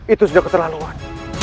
itu sudah keterlaluan